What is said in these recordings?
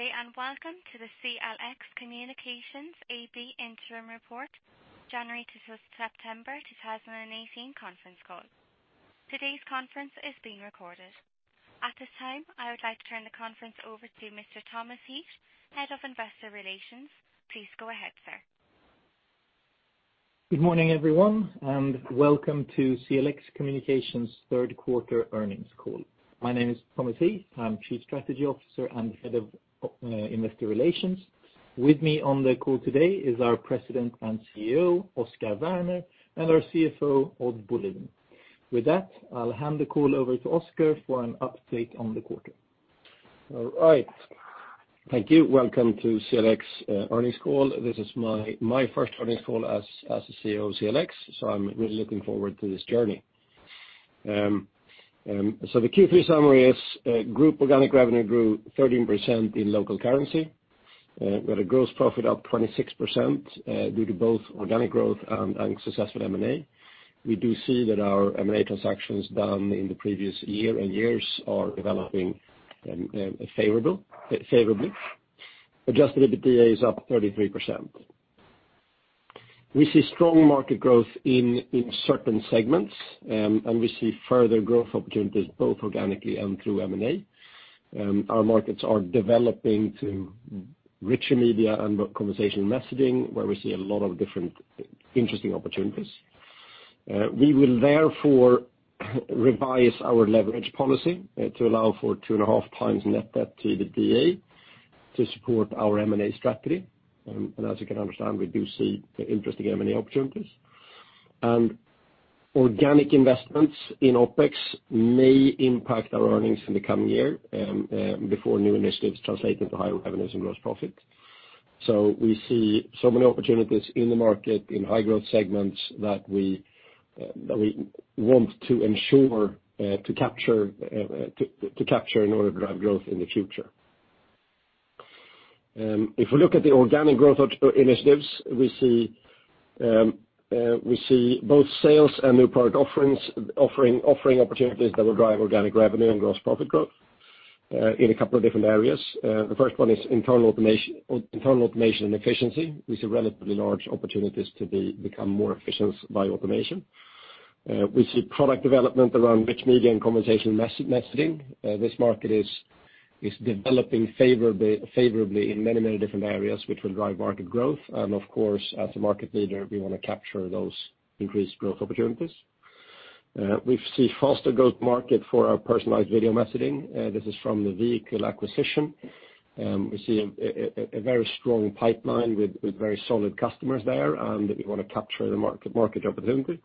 Good day and welcome to the CLX Communications AB interim report January to September 2018 conference call. Today's conference is being recorded. At this time, I would like to turn the conference over to Mr. Thomas Nilsson, Head of Investor Relations. Please go ahead, sir. Good morning, everyone, and welcome to CLX Communications' third quarter earnings call. My name is Thomas Nilsson, I am Chief Strategy Officer and Head of Investor Relations. With me on the call today is our President and CEO, Oscar Werner, and our CFO, Odd Bolin. I will hand the call over to Oscar for an update on the quarter. All right. Thank you. Welcome to CLX earnings call. This is my first earnings call as the CEO of CLX, I am really looking forward to this journey. The Q3 summary is, group organic revenue grew 13% in local currency. We had a gross profit up 26%, due to both organic growth and successful M&A. We do see that our M&A transactions done in the previous year and years are developing favorably. Adjusted EBITDA is up 33%. We see strong market growth in certain segments. We see further growth opportunities both organically and through M&A. Our markets are developing to rich media and conversational messaging, where we see a lot of different, interesting opportunities. We will therefore revise our leverage policy to allow for 2.5 times net debt to EBITDA to support our M&A strategy. As you can understand, we do see interesting M&A opportunities. Organic investments in OpEx may impact our earnings in the coming year, before new initiatives translate into higher revenues and gross profit. We see so many opportunities in the market, in high growth segments, that we want to ensure to capture in order to drive growth in the future. If we look at the organic growth initiatives, we see both sales and new product offerings offering opportunities that will drive organic revenue and gross profit growth, in a couple of different areas. The first one is internal automation and efficiency. We see relatively large opportunities to become more efficient by automation. We see product development around rich media and conversational messaging. This market is developing favorably in many different areas, which will drive market growth. Of course, as a market leader, we want to capture those increased growth opportunities. We see faster growth market for our personalized video messaging. This is from the Vehicle acquisition. We see a very strong pipeline with very solid customers there. We want to capture the market opportunity.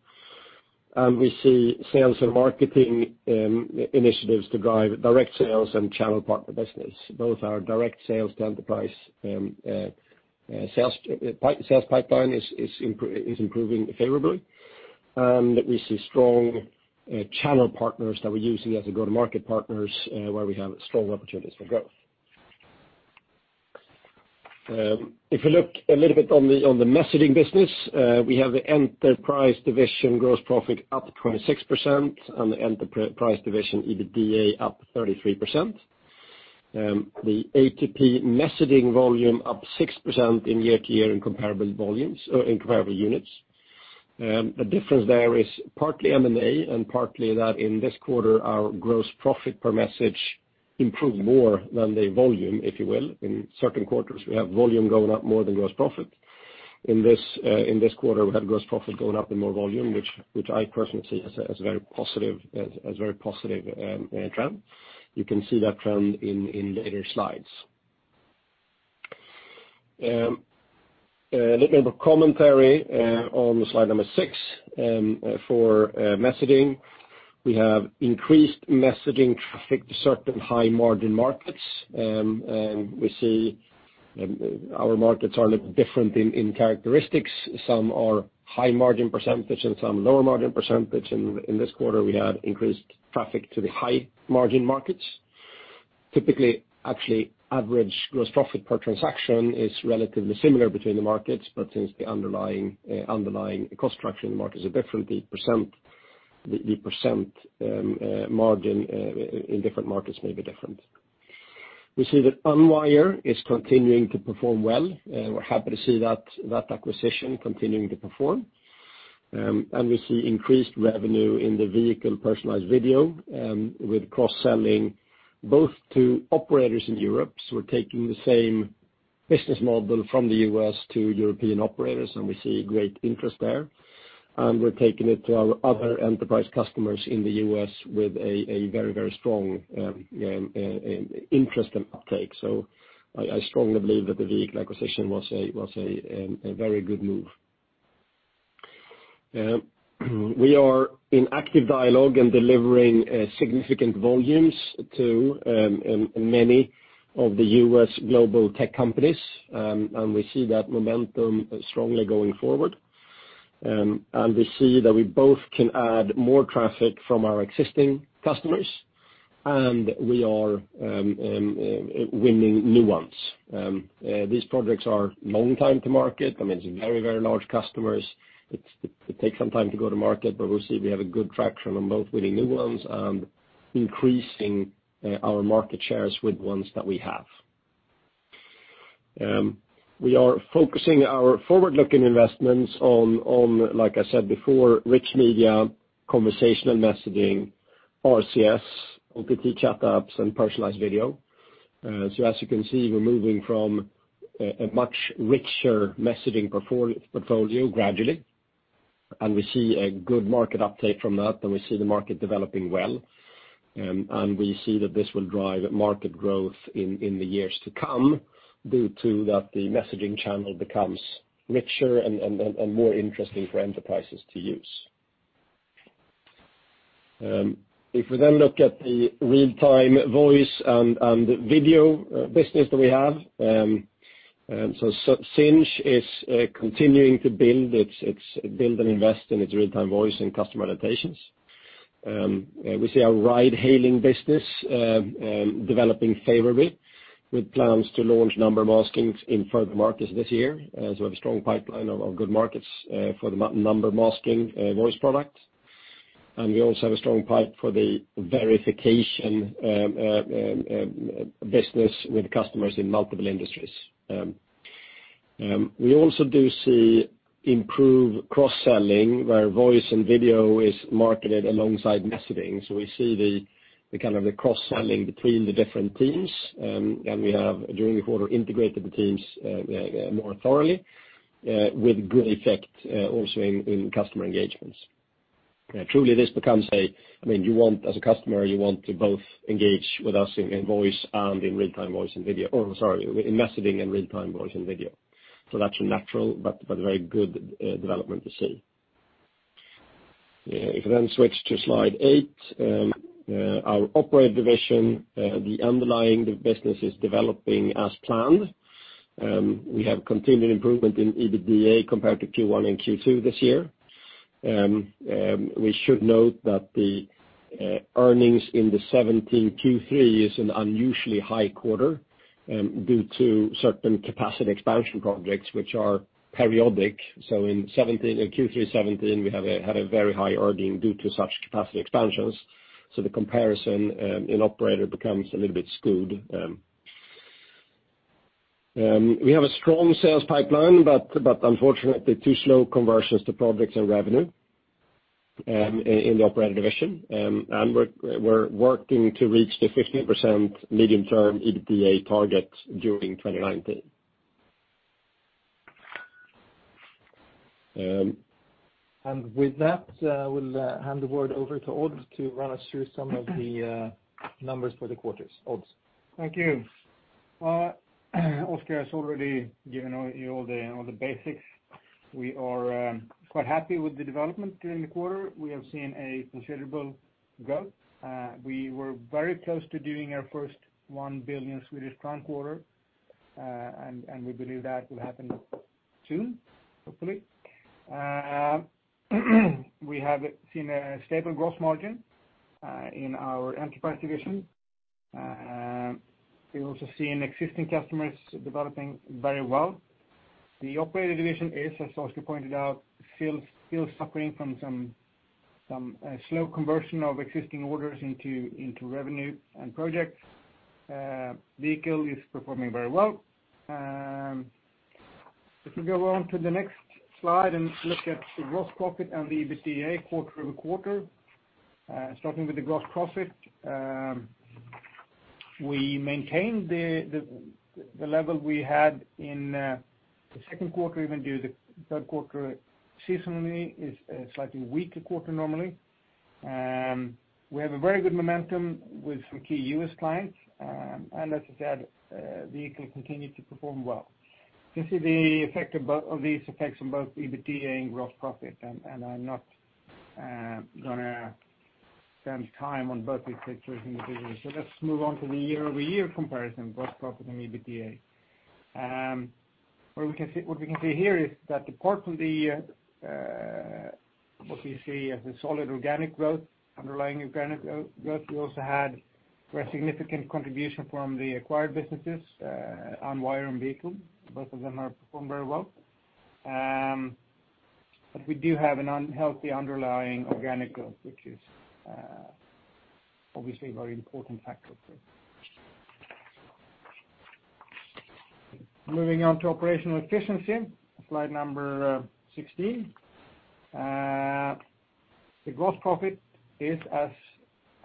We see sales and marketing initiatives to drive direct sales and channel partner business. Both our direct sales to enterprise sales pipeline is improving favorably. We see strong channel partners that we are using as go-to-market partners, where we have strong opportunities for growth. If we look a little bit on the messaging business, we have the enterprise division gross profit up 26% and the enterprise division EBITDA up 33%. The A2P messaging volume up 6% year-over-year in comparable units. A difference there is partly M&A and partly that in this quarter, our gross profit per message improved more than the volume, if you will. In certain quarters, we have volume going up more than gross profit. In this quarter, we have gross profit going up and more volume, which I personally see as a very positive trend. You can see that trend in later slides. A little bit of commentary on slide number six, for messaging. We have increased messaging traffic to certain high-margin markets. We see our markets are a little different in characteristics. Some are high margin percentage and some lower margin percentage. In this quarter, we had increased traffic to the high-margin markets. Typically, actually, average gross profit per transaction is relatively similar between the markets, but since the underlying cost structure in the markets are different, the percent margin in different markets may be different. We see that Unwire is continuing to perform well. We are happy to see that acquisition continuing to perform. We see increased revenue in the Vehicle personalized video, with cross-selling both to operators in Europe. We are taking the same business model from the U.S. to European operators, and we see great interest there. We are taking it to our other enterprise customers in the U.S. with a very strong interest and uptake. I strongly believe that the Vehicle acquisition was a very good move. We are in active dialogue and delivering significant volumes to many of the U.S. global tech companies, and we see that momentum strongly going forward. We see that we both can add more traffic from our existing customers, and we are winning new ones. These projects are long time to market. It is very large customers. It takes some time to go to market. We see we have good traction on both winning new ones and increasing our market shares with ones that we have. We are focusing our forward-looking investments on, like I said before, rich media, conversational messaging, RCS, OTT chat apps, and personalized video. As you can see, we are moving from a much richer messaging portfolio gradually, and we see a good market uptake from that, and we see the market developing well. We see that this will drive market growth in the years to come due to that the messaging channel becomes richer and more interesting for enterprises to use. If we look at the real-time voice and the video business that we have. Sinch is continuing to build and invest in its real-time voice and customer adaptations. We see our ride-hailing business developing favorably with plans to launch number masking in further markets this year, as we have a strong pipeline of good markets for the number masking voice product. We also have a strong pipe for the verification business with customers in multiple industries. We also do see improved cross-selling, where voice and video is marketed alongside messaging. We see the cross-selling between the different teams, and we have, during the quarter, integrated the teams more thoroughly, with good effect also in customer engagements. Truly, as a customer, you want to both engage with us in voice and in real-time voice and video. Oh, I'm sorry, in messaging and real-time voice and video. That's a natural but very good development to see. If we switch to slide 8, our operator division, the underlying business is developing as planned. We have continued improvement in EBITDA compared to Q1 and Q2 this year. We should note that the earnings in the 2017 Q3 is an unusually high quarter due to certain capacity expansion projects, which are periodic. In Q3 2017, we had a very high earning due to such capacity expansions. The comparison in operator becomes a little bit skewed. We have a strong sales pipeline, but unfortunately, too slow conversions to projects and revenue in the operator division. We're working to reach the 15% medium-term EBITDA target during 2019. With that, I will hand the word over to Odd to run us through some of the numbers for the quarters. Odd. Thank you. Oscar has already given you all the basics. We are quite happy with the development during the quarter. We have seen a considerable growth. We were very close to doing our first 1 billion Swedish crown quarter, and we believe that will happen soon, hopefully. We have seen a stable gross margin, in our enterprise division. We've also seen existing customers developing very well. The operator division is, as Oscar pointed out, still suffering from some slow conversion of existing orders into revenue and projects. Vehicle is performing very well. If we go on to the next slide and look at the gross profit and the EBITDA quarter-over-quarter. Starting with the gross profit, we maintained the level we had in the second quarter, even though the third quarter seasonally is a slightly weaker quarter normally. We have a very good momentum with some key U.S. clients. As I said, Vehicle continued to perform well. This is the effect of these effects on both EBITDA and gross profit, and I'm not going to spend time on both these pictures individually. Let's move on to the year-over-year comparison, gross profit and EBITDA. What we can see here is that apart from the, what you see as a solid organic growth, underlying organic growth, we also had a very significant contribution from the acquired businesses, Unwire and Vehicle. Both of them are performing very well. We do have an unhealthy underlying organic growth, which is obviously a very important factor for us. Moving on to operational efficiency, slide 16. The gross profit is,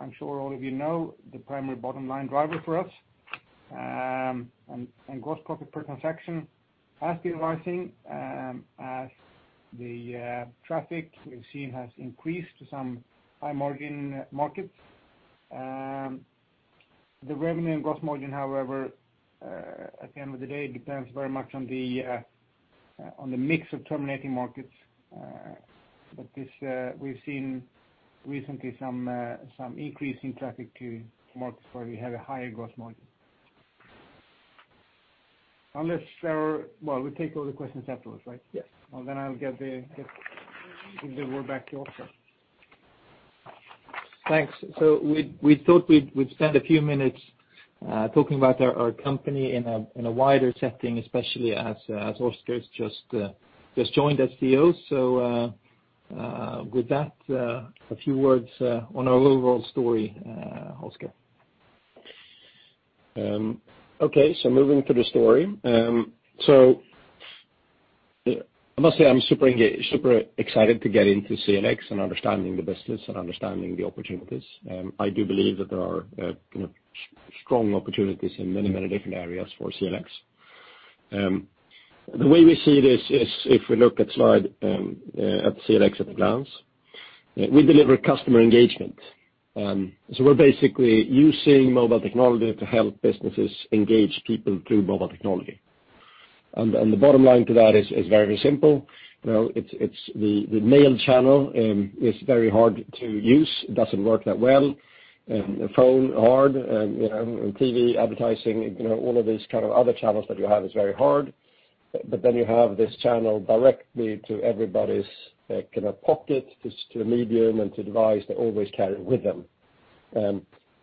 as I'm sure all of you know, the primary bottom-line driver for us. Gross profit per transaction has been rising, as the traffic we've seen has increased to some high-margin markets. The revenue and gross margin, however, at the end of the day, depends very much on the mix of terminating markets. We've seen recently some increase in traffic to markets where we have a higher gross margin. Well, we take all the questions afterwards, right? Yes. I'll give the word back to you, Oscar. Thanks. We thought we'd spend a few minutes talking about our company in a wider setting, especially as Oscar's just joined as CEO. With that, a few words on our overall story, Oscar. Okay, moving to the story. I must say, I'm super excited to get into CLX and understanding the business and understanding the opportunities. I do believe that there are strong opportunities in many different areas for CLX. The way we see this is if we look at slide at CLX at a glance, we deliver customer engagement. We're basically using mobile technology to help businesses engage people through mobile technology, and the bottom line to that is very simple. The mail channel is very hard to use. It doesn't work that well, and the phone, hard, and TV advertising, all of these kind of other channels that you have is very hard. Then you have this channel directly to everybody's pocket, to a medium and to device they always carry with them.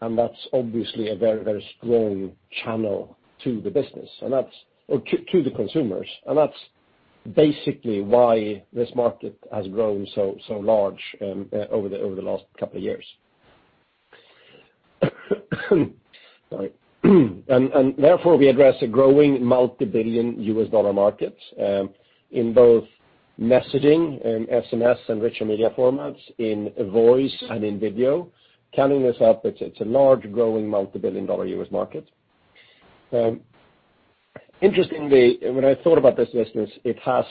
That's obviously a very strong channel to the business, or to the consumers. That's basically why this market has grown so large over the last couple of years. Sorry. Therefore, we address a growing multi-billion US dollar market, in both messaging and SMS and richer media formats, in voice, and in video. Counting this up, it's a large growing multi-billion dollar U.S. market. Interestingly, when I thought about this business, it has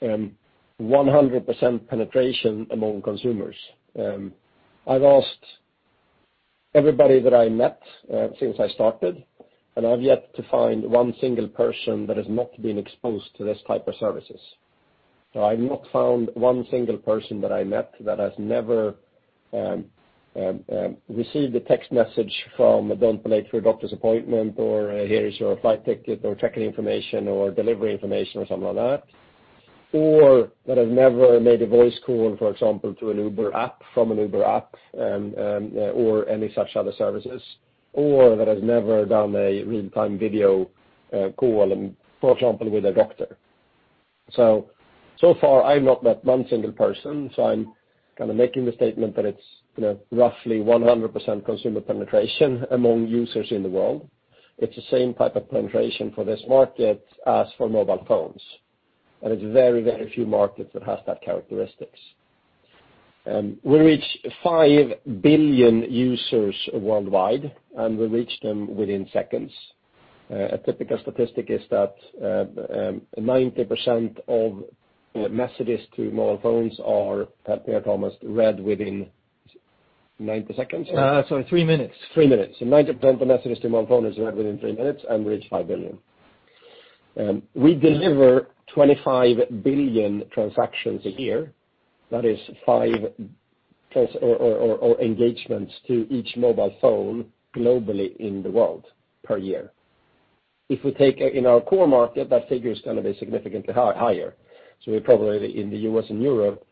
100% penetration among consumers. I've asked everybody that I met since I started, and I've yet to find one single person that has not been exposed to this type of services. I've not found one single person that I met that has never received a text message from, "Don't be late for your doctor's appointment," or, "Here is your flight ticket or ticket information, or delivery information," or something like that. That has never made a voice call, for example, from an Uber app, or any such other services. That has never done a real-time video call, for example, with a doctor. So far I've not met one single person, so I'm kind of making the statement that it's roughly 100% consumer penetration among users in the world. It's the same type of penetration for this market as for mobile phones, and it's very few markets that has that characteristics. We reach five billion users worldwide, and we reach them within seconds. A typical statistic is that 90% of messages to mobile phones are almost read within 90 seconds? Sorry, three minutes. Three minutes. 90% of messages to mobile phones are read within three minutes and reach five billion. We deliver 25 billion transactions a year. That is five engagements to each mobile phone globally in the world per year. If we take in our core market, that figure is going to be significantly higher. We probably, in the U.S. and Europe,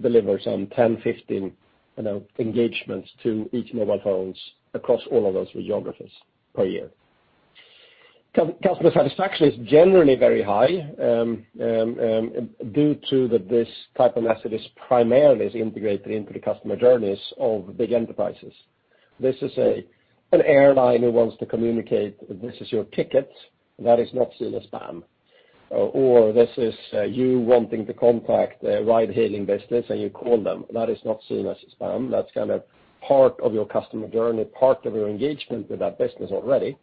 deliver some 10, 15 engagements to each mobile phones across all of those geographies per year. Customer satisfaction is generally very high, due to this type of messages primarily is integrated into the customer journeys of big enterprises. This is an airline who wants to communicate, "This is your ticket." That is not seen as spam. This is you wanting to contact a ride-hailing business and you call them. That is not seen as spam. That's kind of part of your customer journey, part of your engagement with that business already.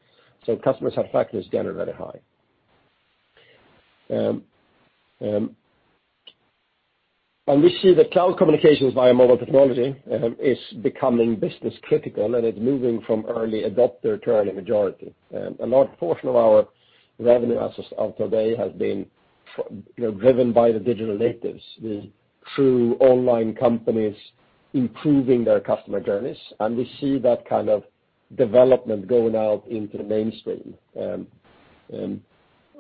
Customer satisfaction is generally very high. We see that cloud communications via mobile technology is becoming business critical, and it's moving from early adopter to early majority. A large portion of our revenue as of today has been driven by the digital natives, the true online companies improving their customer journeys, and we see that kind of development going out into the mainstream.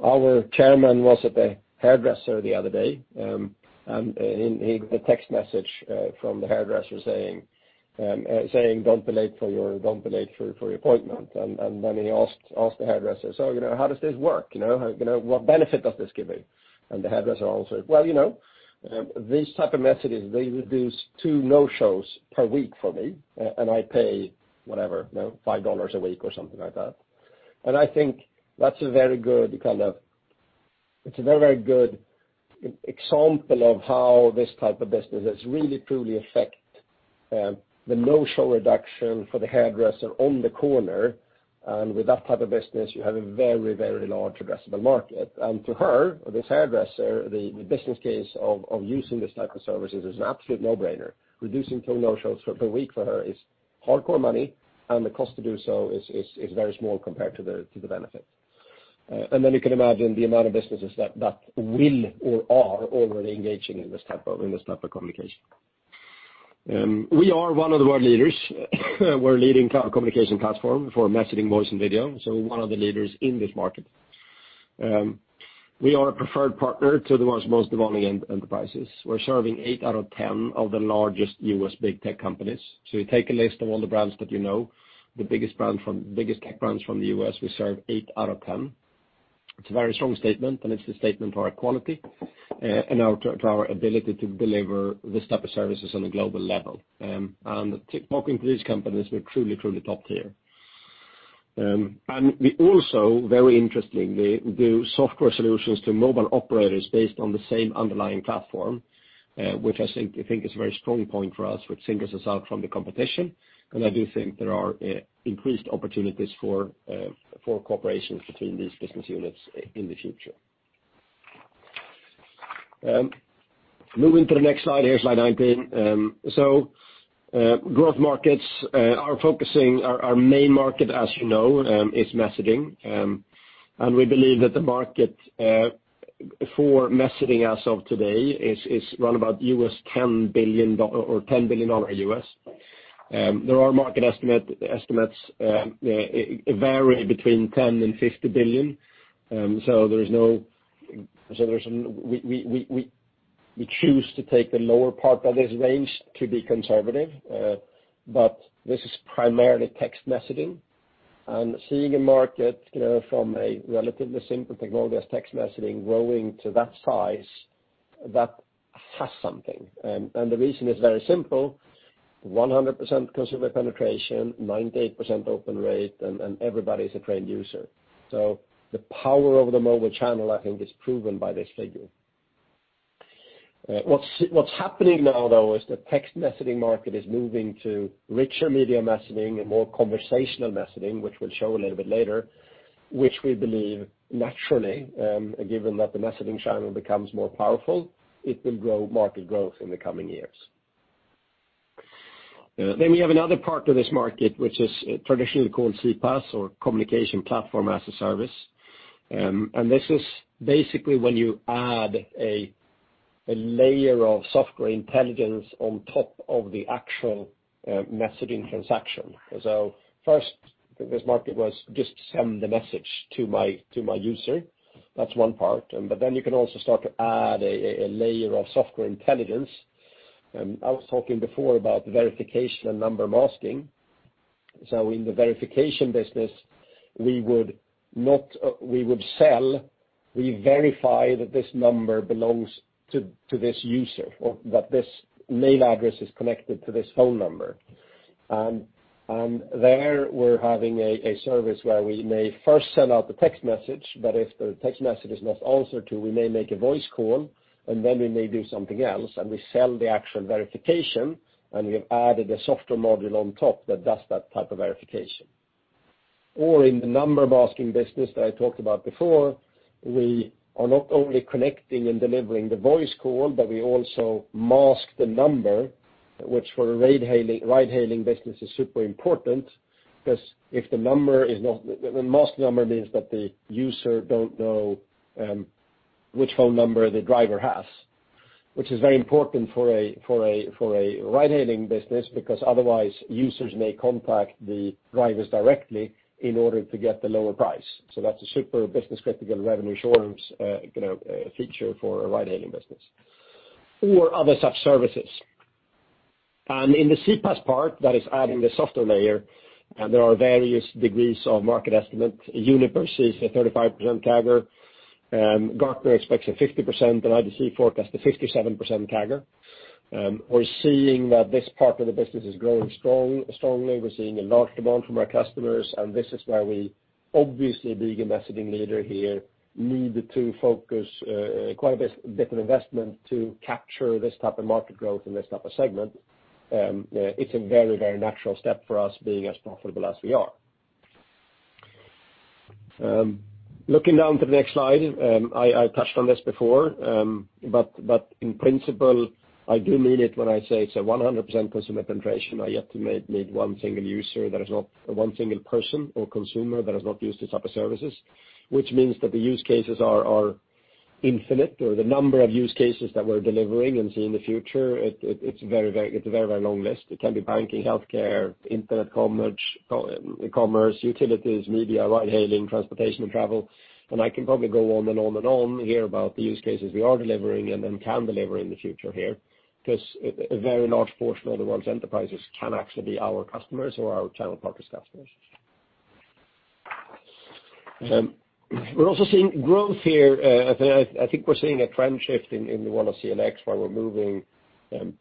Our chairman was at the hairdresser the other day, and he got a text message from the hairdresser saying, "Don't be late for your appointment." Then he asked the hairdresser, "How does this work? What benefit does this give me?" The hairdresser said, "Well, these type of messages, they reduce two no-shows per week for me, and I pay," whatever, "SEK 5 a week," or something like that. I think that's a very good example of how this type of business has really, truly affect the no-show reduction for the hairdresser on the corner. With that type of business, you have a very large addressable market. To her, this hairdresser, the business case of using this type of services is an absolute no-brainer. Reducing two no-shows per week for her is hardcore money, and the cost to do so is very small compared to the benefit. Then you can imagine the amount of businesses that will or are already engaging in this type of communication. We are one of the world leaders. We're leading communication platform for messaging, voice, and video. We're one of the leaders in this market. We are a preferred partner to the world's most demanding enterprises. We're serving eight out of 10 of the largest U.S. big tech companies. You take a list of all the brands that you know, the biggest tech brands from the U.S., we serve eight out of 10. It's a very strong statement, and it's a statement to our quality and to our ability to deliver this type of services on a global level. Talking to these companies, we're truly top-tier. We also, very interestingly, do software solutions to mobile operators based on the same underlying platform, which I think is a very strong point for us, which singles us out from the competition. I do think there are increased opportunities for cooperation between these business units in the future. Moving to the next slide. Here's slide 19. Growth markets. Our main market, as you know, is messaging. We believe that the market for messaging as of today is right about $10 billion. There are market estimates, it vary between $10 billion and $50 billion. We choose to take the lower part of this range to be conservative. This is primarily text messaging, and seeing a market from a relatively simple technology as text messaging growing to that size, that has something. The reason is very simple: 100% consumer penetration, 98% open rate, and everybody's a trained user. The power of the mobile channel, I think, is proven by this figure. What's happening now, though, is the text messaging market is moving to richer media messaging and more conversational messaging, which we'll show a little bit later, which we believe naturally, given that the messaging channel becomes more powerful, it will grow market growth in the coming years. We have another part to this market, which is traditionally called CPaaS or Communications Platform as a Service. This is basically when you add a layer of software intelligence on top of the actual messaging transaction. First, this market was just send a message to my user. That's one part. You can also start to add a layer of software intelligence. I was talking before about verification and number masking. In the verification business, we would sell, we verify that this number belongs to this user or that this mail address is connected to this phone number. There we're having a service where we may first send out the text message, but if the text message is not answered to, we may make a voice call, and then we may do something else, and we sell the actual verification, and we have added a software module on top that does that type of verification. In the number masking business that I talked about before, we are not only connecting and delivering the voice call, but we also mask the number, which for a ride-hailing business is super important, because the masked number means that the user don't know which phone number the driver has, which is very important for a ride-hailing business, because otherwise users may contact the drivers directly in order to get the lower price. That's a super business-critical revenue assurance feature for a ride-hailing business. Other such services. In the CPaaS part, that is adding the software layer, there are various degrees of market estimate. Juniper sees a 35% CAGR. Gartner expects a 50%, and IDC forecasts a 57% CAGR. We're seeing that this part of the business is growing strongly. We're seeing a large demand from our customers, and this is why we, obviously being a messaging leader here, need to focus quite a bit of investment to capture this type of market growth and this type of segment. It's a very, very natural step for us, being as profitable as we are. Looking down to the next slide. I touched on this before, but in principle, I do mean it when I say it's a 100% consumer penetration. I yet to meet one single person or consumer that has not used this type of services, which means that the use cases are infinite, or the number of use cases that we're delivering and see in the future, it's a very, very long list. It can be banking, healthcare, internet commerce, e-commerce, utilities, media, ride-hailing, transportation and travel. I can probably go on and on and on here about the use cases we are delivering and can deliver in the future here, because a very large portion of the world's enterprises can actually be our customers or our channel partners' customers. We're also seeing growth here. I think we're seeing a trend shift in the world of CLX, where we're moving to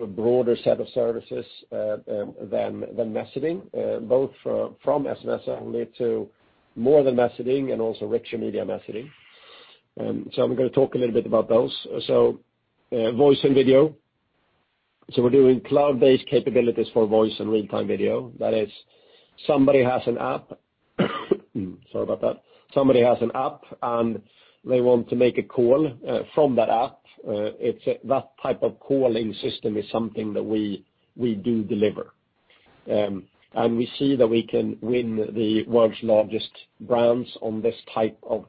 a broader set of services than messaging, both from SMS only to more than messaging and also richer media messaging. I'm going to talk a little bit about those. Voice and video. We're doing cloud-based capabilities for voice and real-time video. That is, somebody has an app, sorry about that. Somebody has an app and they want to make a call from that app. That type of calling system is something that we do deliver. We see that we can win the world's largest brands on this type of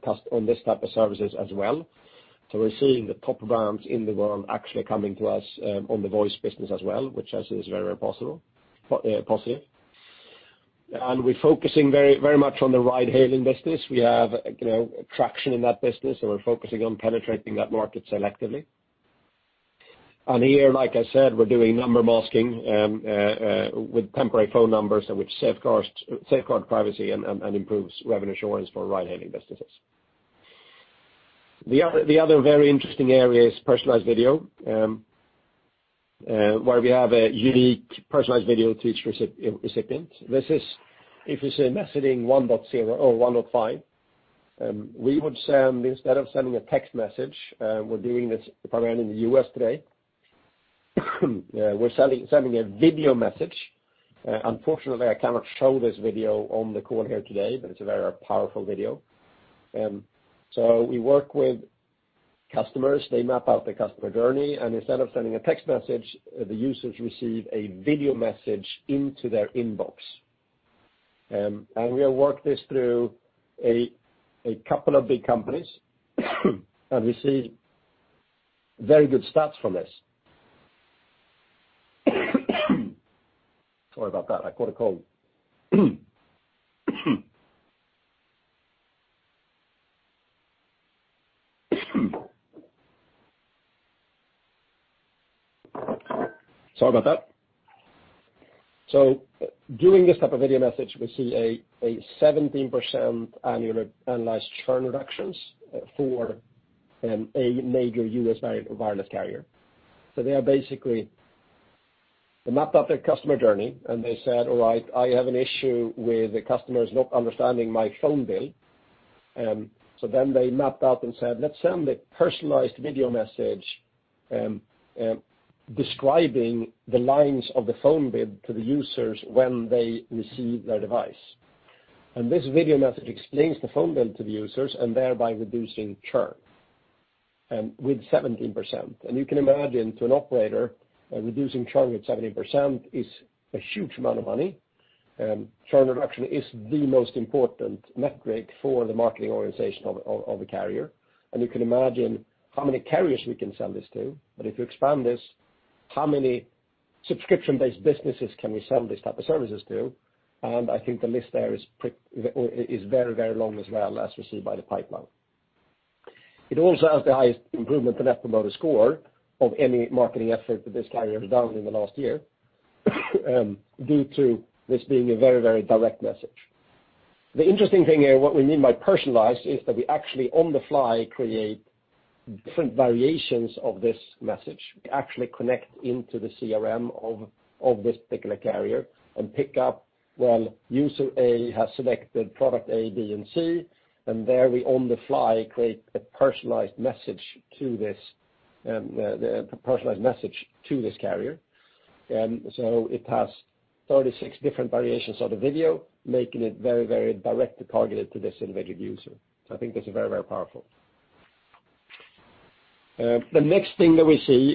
services as well. We're seeing the top brands in the world actually coming to us on the voice business as well, which I see is very possible. We're focusing very much on the ride-hailing business. We have traction in that business, and we're focusing on penetrating that market selectively. Here, like I said, we're doing number masking with temporary phone numbers, which safeguards privacy and improves revenue assurance for ride-hailing businesses. The other very interesting area is personalized video, where we have a unique personalized video to each recipient. This is, if it's a messaging 1.0 or 1.5, we would, instead of sending a text message, we're doing this program in the U.S. today, we're sending a video message. Unfortunately, I cannot show this video on the call here today, but it's a very powerful video. We work with customers, they map out the customer journey, and instead of sending a text message, the users receive a video message into their inbox. We have worked this through a couple of big companies, and we see very good stats from this. Sorry about that. I got a call. Sorry about that. Doing this type of video message, we see a 17% annualized churn reductions for a major U.S.-based wireless carrier. They basically mapped out their customer journey, and they said, "All right, I have an issue with the customers not understanding my phone bill." They mapped out and said, "Let's send a personalized video message describing the lines of the phone bill to the users when they receive their device." This video message explains the phone bill to the users, and thereby reducing churn with 17%. You can imagine, to an operator, reducing churn with 17% is a huge amount of money. Churn reduction is the most important metric for the marketing organization of a carrier. You can imagine how many carriers we can sell this to. If you expand this, how many subscription-based businesses can we sell these type of services to? I think the list there is very long as well, as we see by the pipeline. It also has the highest improvement in Net Promoter Score of any marketing effort that this carrier has done in the last year, due to this being a very direct message. The interesting thing here, what we mean by personalized is that we actually, on the fly, create different variations of this message. We actually connect into the CRM of this particular carrier and pick up when user A has selected product A, B, and C, and there we, on the fly, create a personalized message to this carrier. It has 36 different variations of the video, making it very directly targeted to this individual user. I think that's very powerful. The next thing that we see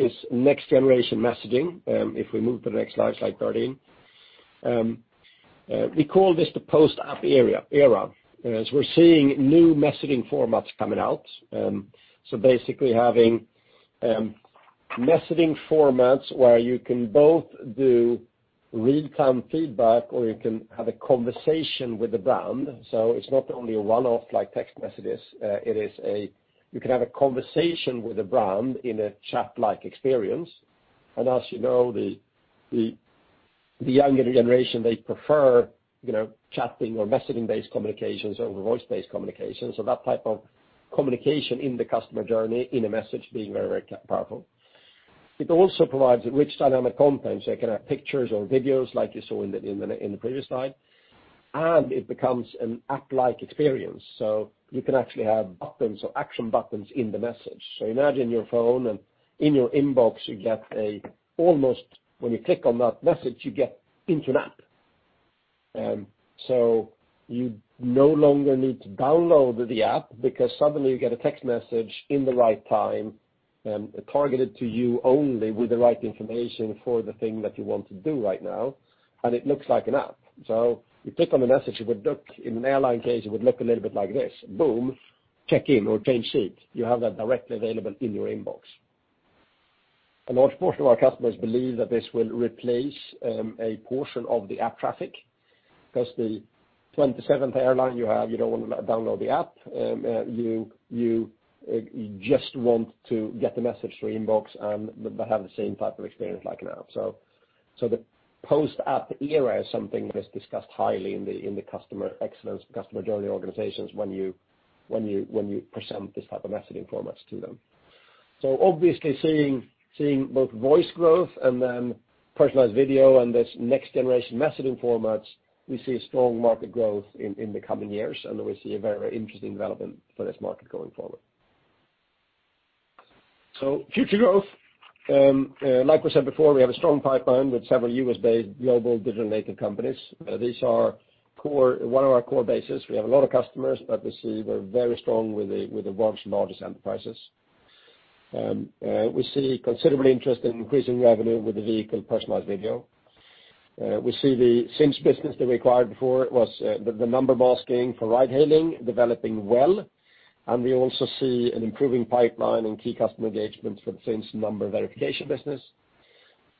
is next-generation messaging. If we move to the next slide 13. We call this the post-app era, as we're seeing new messaging formats coming out. Having messaging formats where you can both do real-time feedback, or you can have a conversation with the brand. It is not only a one-off like text message is. You can have a conversation with the brand in a chat-like experience. As you know, the younger generation, they prefer chatting or messaging-based communications over voice-based communications. That type of communication in the customer journey in a message being very powerful. It also provides a rich dynamic content, so it can have pictures or videos like you saw in the previous slide. It becomes an app-like experience. You can actually have buttons or action buttons in the message. Imagine your phone and in your inbox, you get almost, when you click on that message, you get into an app. You no longer need to download the app because suddenly you get a text message in the right time, targeted to you only with the right information for the thing that you want to do right now, and it looks like an app. You click on the message, in an airline case, it would look a little bit like this. Boom, check-in or change seat. You have that directly available in your inbox. A large portion of our customers believe that this will replace a portion of the app traffic, because the 27th airline you have, you do not want to download the app. You just want to get the message through inbox and have the same type of experience like an app. The post-app era is something that is discussed highly in the customer excellence, customer journey organizations when you present this type of messaging formats to them. Obviously seeing both voice growth and then personalized video and this next-generation messaging formats, we see strong market growth in the coming years, and we see a very interesting development for this market going forward. Future growth, like we said before, we have a strong pipeline with several U.S.-based global digital-native companies. These are one of our core bases. We have a lot of customers, but we see we are very strong with the world's largest enterprises. We see considerable interest in increasing revenue with the Vehicle personalized video. We see the Sinch business that we acquired before. It was the number masking for ride hailing developing well. We also see an improving pipeline in key customer engagements for the Sinch number verification business.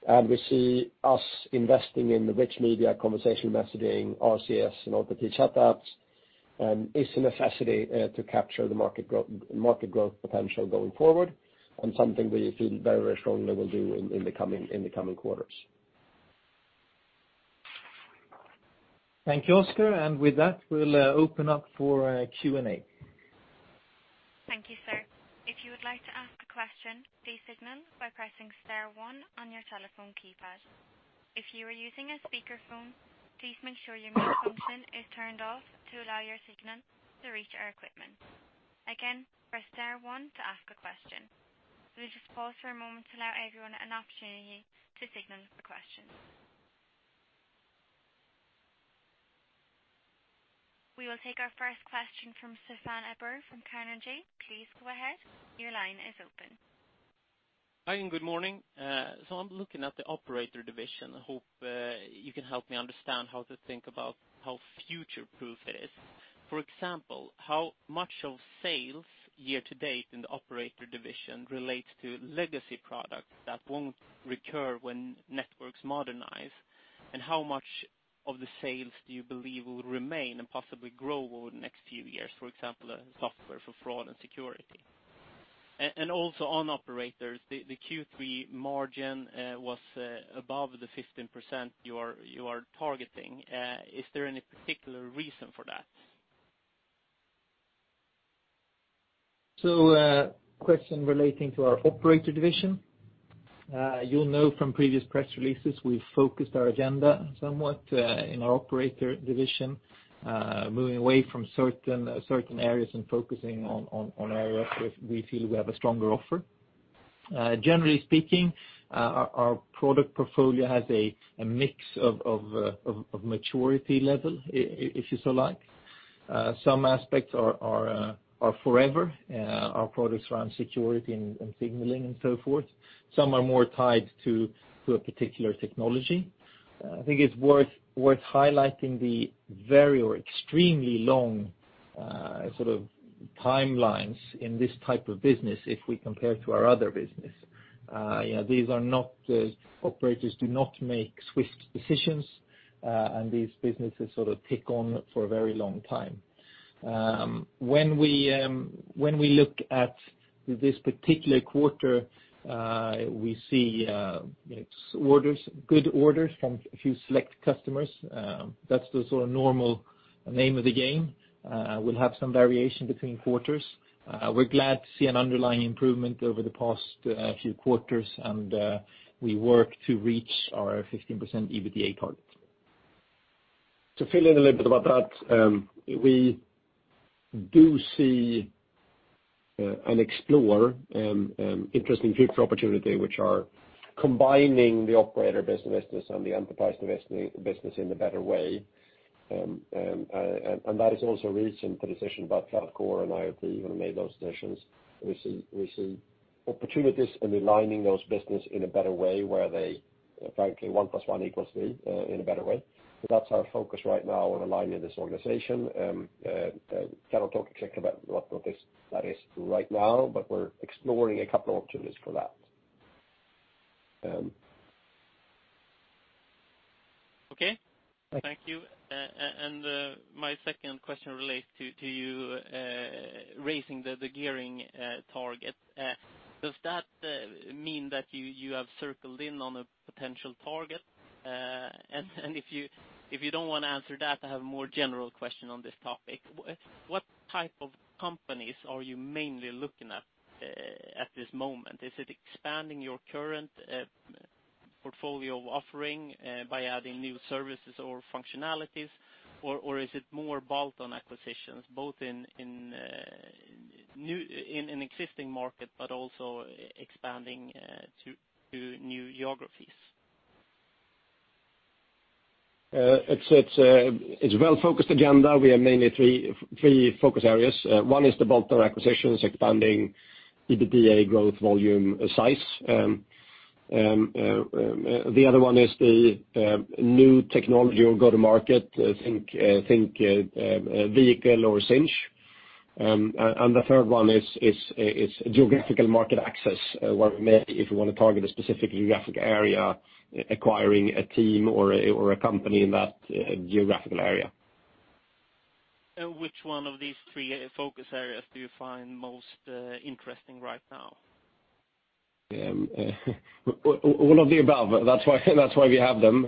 We see us investing in the rich media conversation messaging, RCS, and over-the-top chat apps. It's a necessity to capture the market growth potential going forward, something we feel very strongly we'll do in the coming quarters. Thank you, Oscar. With that, we'll open up for Q&A. Thank you, sir. If you would like to ask a question, please signal by pressing star one on your telephone keypad. If you are using a speakerphone, please make sure your mute function is turned off to allow your signal to reach our equipment. Again, press star one to ask a question. We'll just pause for a moment to allow everyone an opportunity to signal for questions. We will take our first question from Susanne Ebner from Carnegie. Please go ahead. Your line is open. Hi, good morning. I'm looking at the operator division. I hope you can help me understand how to think about how future-proof it is. For example, how much of sales year-to-date in the operator division relates to legacy products that won't recur when networks modernize, and how much of the sales do you believe will remain and possibly grow over the next few years, for example, software for fraud and security? Also on operators, the Q3 margin was above the 15% you are targeting. Is there any particular reason for that? Question relating to our operator division. You'll know from previous press releases, we've focused our agenda somewhat in our operator division, moving away from certain areas and focusing on areas where we feel we have a stronger offer. Generally speaking, our product portfolio has a mix of maturity level, if you so like. Some aspects are forever, our products around security and signaling and so forth. Some are more tied to a particular technology. I think it's worth highlighting the very or extremely long sort of timelines in this type of business if we compare to our other business. Operators do not make swift decisions, and these businesses sort of tick on for a very long time. When we look at this particular quarter, we see good orders from a few select customers. That's the sort of normal name of the game. We'll have some variation between quarters. We're glad to see an underlying improvement over the past few quarters, we work to reach our 15% EBITDA target. To fill in a little bit about that. We do see and explore interesting future opportunity, which are combining the operator business and the enterprise business in a better way. That is also the reason for the decision about CloudCore and IoT, who made those decisions. We see opportunities in aligning those business in a better way, where they frankly, one plus one equals three in a better way. That's our focus right now on aligning this organization. Cannot talk exactly about what that is right now, but we're exploring a couple opportunities for that. Okay. Thank you. My second question relates to you raising the gearing target. Does that mean that you have circled in on a potential target? If you don't want to answer that, I have a more general question on this topic. What type of companies are you mainly looking at this moment? Is it expanding your current portfolio offering by adding new services or functionalities, or is it more bolt-on acquisitions, both in an existing market, but also expanding to new geographies? It's a well-focused agenda. We have mainly three focus areas. One is the bolt-on acquisitions, expanding EBITDA growth volume size. The other one is the new technology or go to market, think Vehicle or Sinch. The third one is geographical market access, where we may, if we want to target a specific geographic area, acquiring a team or a company in that geographical area. Which one of these three focus areas do you find most interesting right now? All of the above. That's why we have them.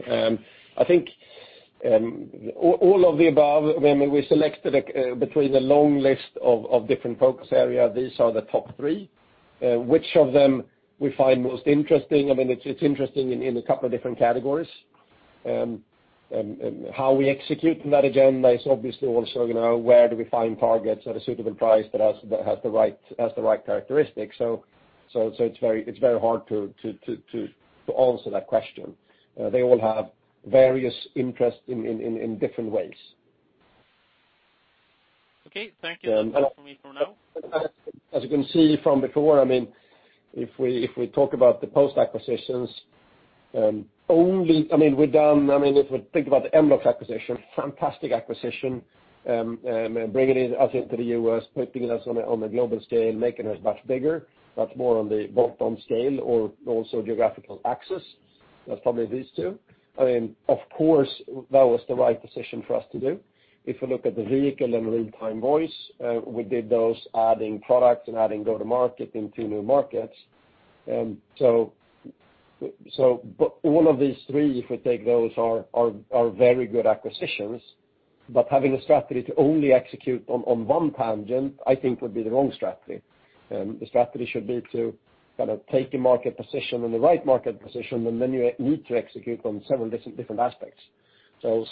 I think all of the above, when we selected between the long list of different focus area, these are the top three. Which of them we find most interesting, it's interesting in a couple of different categories. How we execute on that agenda is obviously also where do we find targets at a suitable price that has the right characteristics. It's very hard to answer that question. They all have various interest in different ways. Okay, thank you. That's all for me for now. As you can see from before, if we talk about the post acquisitions, if we think about the mBlox acquisition, fantastic acquisition. Bringing us into the U.S., putting us on a global scale, making us much bigger. That's more on the bolt-on scale or also geographical access. That's probably these two. Of course, that was the right decision for us to do. If we look at the Vehicle and real-time voice, we did those adding product and adding go-to-market in two new markets. All of these three, if we take those, are very good acquisitions. Having a strategy to only execute on one tangent, I think would be the wrong strategy. The strategy should be to take a market position and the right market position, and then you need to execute on several different aspects.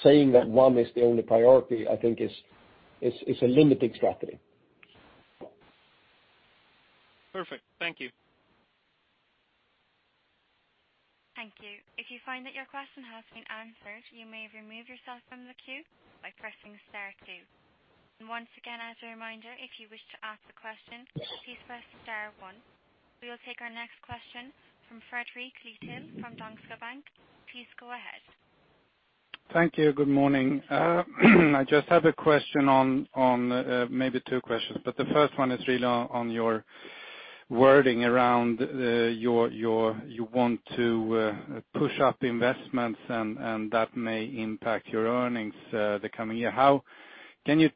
Saying that one is the only priority, I think is a limiting strategy. Perfect. Thank you. Thank you. If you find that your question has been answered, you may remove yourself from the queue by pressing star two. Once again, as a reminder, if you wish to ask a question, please press star one. We will take our next question from Fredrik Lithell from Danske Bank. Please go ahead. Thank you. Good morning. I just have a question on, maybe two questions. The first one is really on your wording around you want to push up investments, and that may impact your earnings the coming year. Can you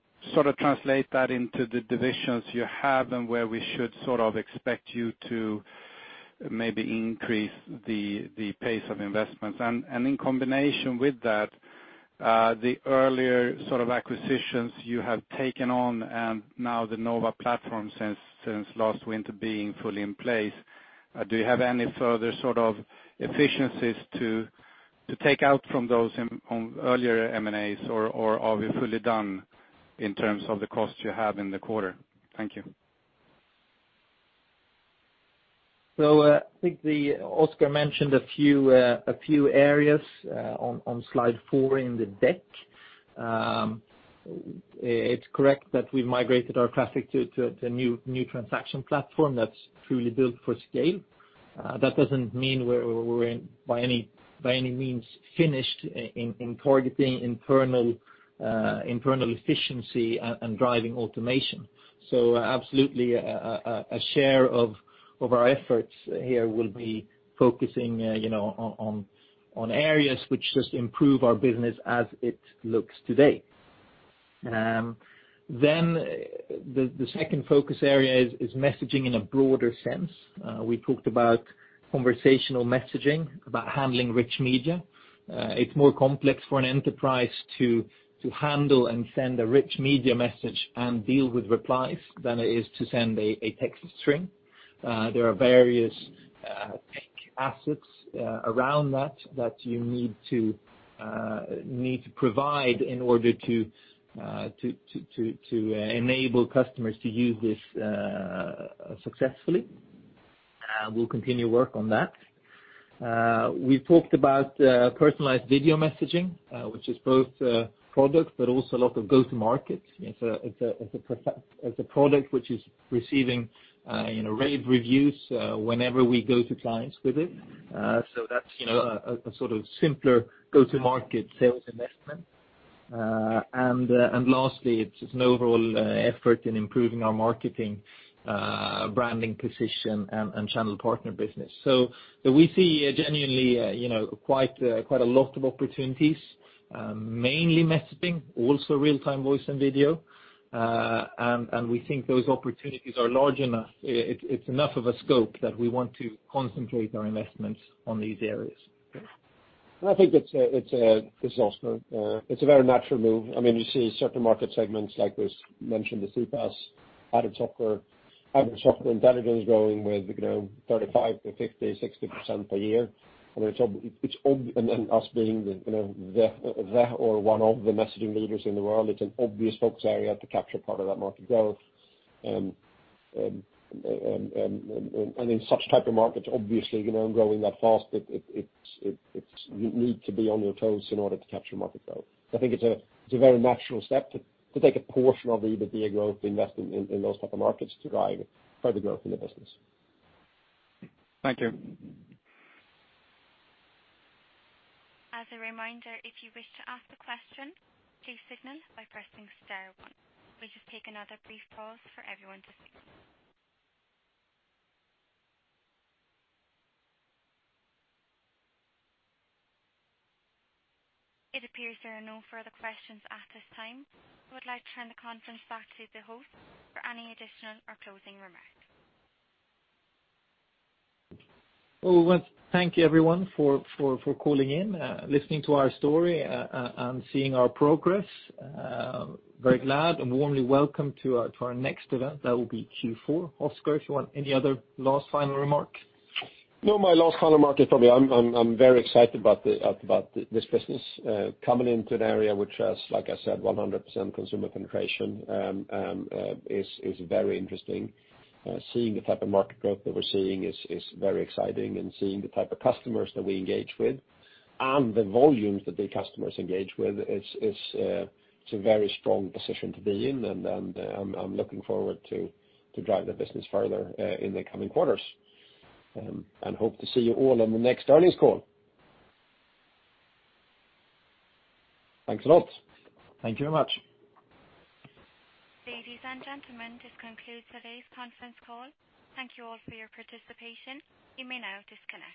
translate that into the divisions you have, and where we should expect you to maybe increase the pace of investments? In combination with that, the earlier acquisitions you have taken on and now the Nova platform since last winter being fully in place, do you have any further efficiencies to take out from those on earlier M&As, or are we fully done in terms of the cost you have in the quarter? Thank you. I think Oscar mentioned a few areas on slide four in the deck. It's correct that we've migrated our traffic to new transaction platform that's truly built for scale. That doesn't mean we're by any means finished in targeting internal efficiency and driving automation. Absolutely, a share of our efforts here will be focusing on areas which just improve our business as it looks today. The second focus area is messaging in a broader sense. We talked about conversational messaging, about handling rich media. It's more complex for an enterprise to handle and send a rich media message and deal with replies than it is to send a text string. There are various tech assets around that you need to provide in order to enable customers to use this successfully. We'll continue to work on that. We've talked about personalized video messaging, which is both product but also a lot of go-to-market. It's a product which is receiving rave reviews whenever we go to clients with it. That's a simpler go-to-market sales investment. Lastly, it's an overall effort in improving our marketing, branding position, and channel partner business. We see genuinely quite a lot of opportunities, mainly messaging, also real-time voice and video. We think those opportunities are large enough. It's enough of a scope that we want to concentrate our investments on these areas. I think it's a very natural move. You see certain market segments like was mentioned, the CPaaS added software, added software intelligence growing with 35%-50%, 60% per year. Us being the, or one of the messaging leaders in the world, it's an obvious focus area to capture part of that market growth. In such type of markets, obviously, growing that fast, you need to be on your toes in order to capture market growth. I think it's a very natural step to take a portion of the EBITDA growth investment in those type of markets to drive further growth in the business. Thank you. As a reminder, if you wish to ask a question, please signal by pressing star one. We will just take another brief pause for everyone to speak. It appears there are no further questions at this time. I would like to turn the conference back to the host for any additional or closing remarks. We want to thank you everyone for calling in, listening to our story, and seeing our progress. Very glad and warmly welcome to our next event. That will be Q4. Oscar, if you want, any other last final remark? My last final remark is probably I am very excited about this business. Coming into an area which has, like I said, 100% consumer penetration, is very interesting. Seeing the type of market growth that we are seeing is very exciting, and seeing the type of customers that we engage with and the volumes that the customers engage with, it is a very strong position to be in, and I am looking forward to drive the business further in the coming quarters. Hope to see you all on the next earnings call. Thanks a lot. Thank you very much. Ladies and gentlemen, this concludes today's conference call. Thank you all for your participation. You may now disconnect.